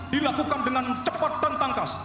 dilakukan dengan cepat dan tangkas